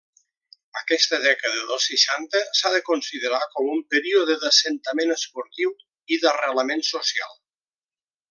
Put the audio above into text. Aquesta dècada dels seixanta s'ha de considerar com un període d'assentament esportiu i d'arrelament social.